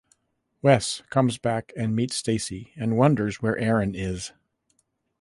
Wes comes back and meets Stacy and wonders where Erin is.